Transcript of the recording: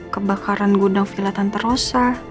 kebakaran gudang villa tantarosa